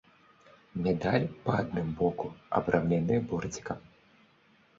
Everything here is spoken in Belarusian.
Медаль па адным боку абрамлены борцікам.